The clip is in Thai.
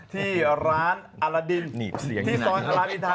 ที่ร้านอรดินที่ร้านอินทา๑๔